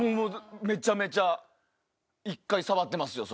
めちゃめちゃ１回触ってますよ！